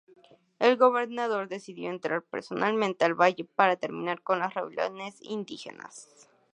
El gobernador decidió entrar personalmente al valle para terminar con las rebeliones indígenas.